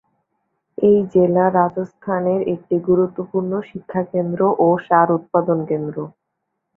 এই জেলা রাজস্থানের একটি গুরুত্বপূর্ণ শিক্ষাকেন্দ্র ও সার উৎপাদন কেন্দ্র।